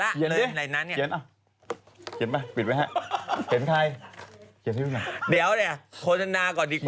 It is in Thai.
เขียนเลยเนี่ยเขียนตรงนี้เขียนตรงนี้